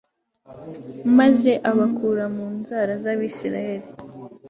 maze abakura mu nzara z'abayisraheli